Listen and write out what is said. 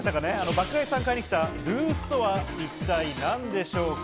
爆買いさんが買いに来たルースとは一体何でしょうか？